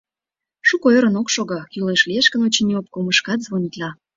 Шуко ӧрын ок шого, кӱлеш лиеш гын, очыни, обкомышкат звонитла».